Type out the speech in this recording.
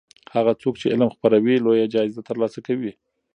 هغه څوک چې علم خپروي لویه جایزه ترلاسه کوي.